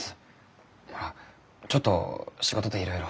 ちょっと仕事でいろいろ。